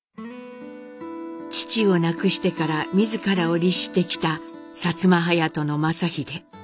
父を亡くしてから自らを律してきた薩摩隼人の正英。